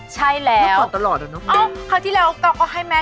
เกิดตั้งแต่เวลาที่